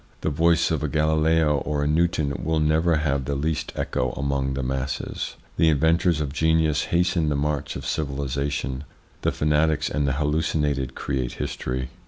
The voice of a Galileo or a Newton will never have the least echo among the masses. The inventors of genius hasten the march of civilisation. The fanatics and the hallucinated create history.